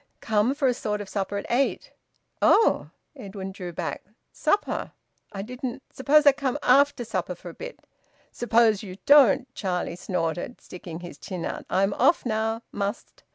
"Come for a sort of supper at eight." "Oh!" Edwin drew back. "Supper? I didn't Suppose I come after supper for a bit?" "Suppose you don't!" Charlie snorted, sticking his chin out. "I'm off now. Must."